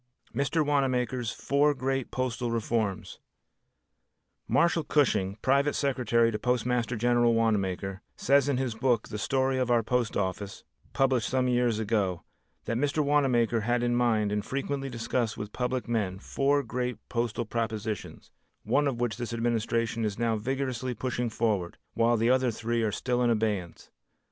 Mr. Wanamaker's Four Great Postal Reforms Marshall Cushing, private secretary to Postmaster General Wanamaker, says in his book "The Story of Our Post Office," published some years ago, that Mr. Wanamaker had in mind and frequently discussed with public men, four great postal propositions, one of which this administration is now vigorously pushing forward, while the other three are still in abeyance.